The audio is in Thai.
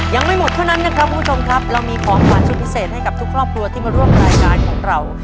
ยังไม่หมดเท่านั้นนะครับคุณผู้ชมครับเรามีของขวัญสุดพิเศษให้กับทุกครอบครัวที่มาร่วมรายการของเรา